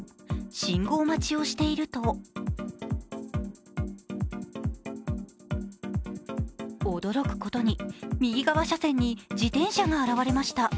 信号待ちをしていると驚くことに右側車線に自転車が現れました。